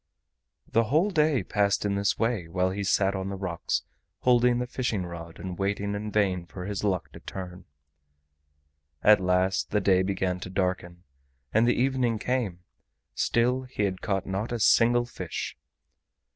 The whole day passed in this way, while he sat on the rocks holding the fishing rod and waiting in vain for his luck to turn. At last the day began to darken, and the evening came; still he had caught not a single fish.